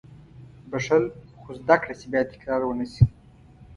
• بښل، خو زده کړه چې بیا تکرار ونه شي.